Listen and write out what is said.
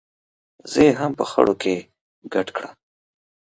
زه یې هم په خړو کې ګډ کړم.